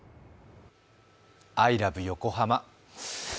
アイ・ラブ・横浜。